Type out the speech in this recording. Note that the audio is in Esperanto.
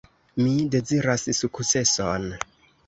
Mi deziras sukceson.